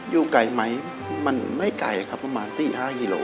อยู่ไกลมั้ยมันไม่ไกลต่อมา๔๕ฮิโล